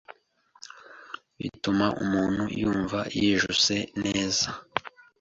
bituma umuntu yumva yijuse neza,